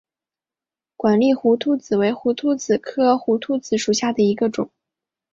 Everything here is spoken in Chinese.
管花胡颓子为胡颓子科胡颓子属下的一个种。